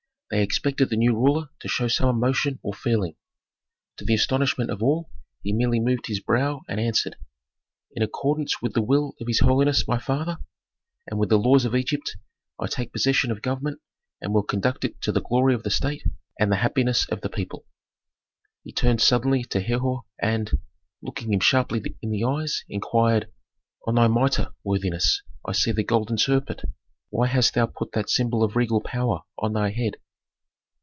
They expected the new ruler to show some emotion or feeling. To the astonishment of all he merely moved his brow and answered, "In accordance with the will of his holiness, my father, and with the laws of Egypt, I take possession of government and will conduct it to the glory of the state and the happiness of the people." He turned suddenly to Herhor and, looking him sharply in the eyes, inquired, "On thy mitre, worthiness, I see the golden serpent. Why hast thou put that symbol of regal power on thy head?"